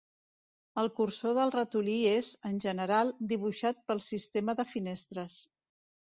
El cursor del ratolí és, en general, dibuixat pel sistema de finestres.